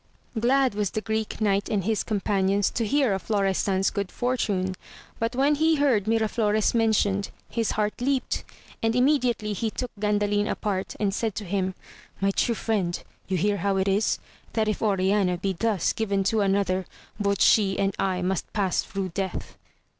Glad was the Greek Knight, and his companions, to hear of Florestan's good fortune ; but when he heard Miraflores mentioned, his heart leaped, and immedi ately he took Gandalin apart, and said to him, my true friend, you hear how it is ; that if Oriana be thus given to another, both she and I must pass through death.